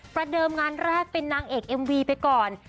เดิมงานแรกเป็นนางเอกเอ็มวีไปก่อน